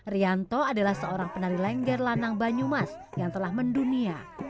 rianto adalah seorang penari lengger lanang banyumas yang telah mendunia